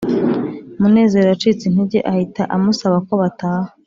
Munezero yacitse intege Ahita amusaba kobataha